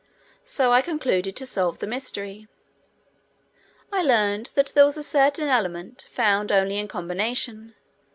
So I concluded to solve the mystery. I learned that there was a certain element found only in combination.